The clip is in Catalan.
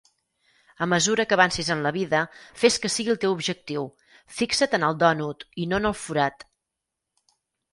A mesura que avancis en la vida, fes que sigui el teu objectiu; fixa't en el dònut i no en el forat.